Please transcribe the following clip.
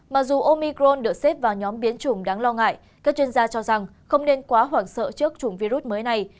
mà dù omicron được xếp vào nhóm biến chủng đáng lo ngại các chuyên gia cho rằng không nên quá hoảng sợ trước chủng virus mới này